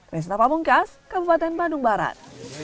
resta pamungkas kabupaten bandung barat